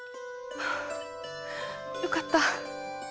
はあよかった！